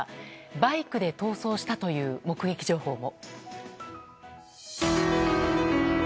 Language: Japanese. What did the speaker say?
バイクで逃走したという目撃情報も。